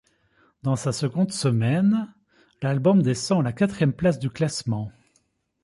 Dans sa seconde semaine, l'album descend à la quatrième place du classement.